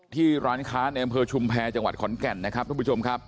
ที่ร้านค้าในอำเภอชุมแพรจังหวัดขอนแก่นนะครับทุกผู้ชมครับ